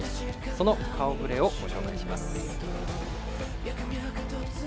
その顔ぶれをご紹介します。